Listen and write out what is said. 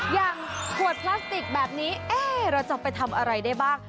อย่างขวดพลาสติกแบบนี้เราจะไปทำอะไรได้บ้าง